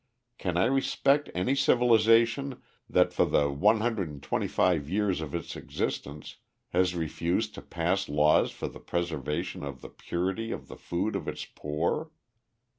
] Can I respect any civilization that for the 125 years of its existence has refused to pass laws for the preservation of the purity of the food of its poor?